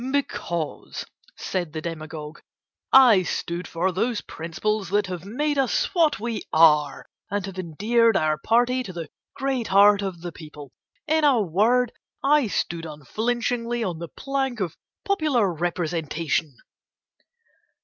"Because," said the demagogue, "I stood for those principles that have made us what we are and have endeared our Party to the great heart of the people. In a word I stood unflinchingly on the plank of popular representation."